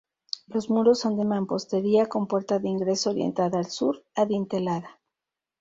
Los muros son de mampostería con puerta de ingreso orientada al sur, adintelada.